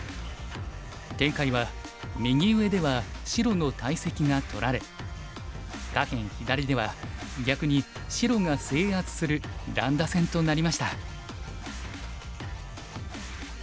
展開は右上では白の大石が取られ下辺左では逆に白が制圧する乱打戦となりました。